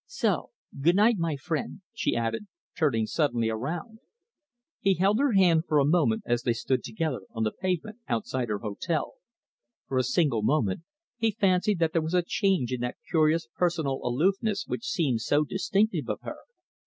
So! Good night, my friend," she added, turning suddenly around. He held her hand for a moment as they stood together on the pavement outside her hotel. For a single moment he fancied that there was a change in that curious personal aloofness which seemed so distinctive of her.